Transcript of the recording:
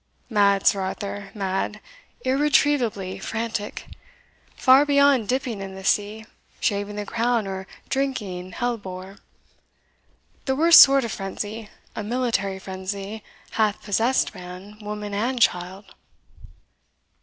"Mad, Sir Arthur, mad irretrievably frantic far beyond dipping in the sea, shaving the crown, or drinking hellebore. The worst sort of frenzy, a military frenzy, hath possessed man, woman, and child."